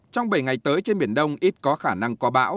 trong bảy ngày tới trên miền đông ít có khả năng có bão